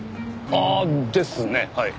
ああですねはい。